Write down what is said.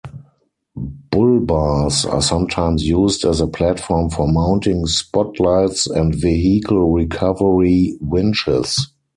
Bullbars are sometimes used as a platform for mounting spotlights and vehicle recovery winches.